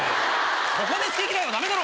ここで好き嫌いはダメだろ！